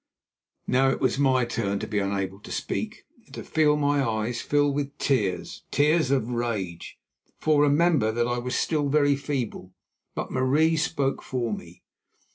Now it was my turn to be unable to speak and to feel my eyes fill with tears, tears of rage, for remember that I was still very feeble. But Marie spoke for me.